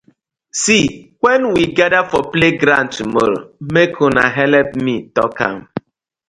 See wen we gather for playground tomorrow mek una helep me tok am.